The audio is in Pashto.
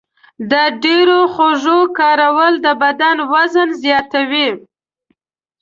د ډېرو خوږو کارول د بدن وزن زیاتوي.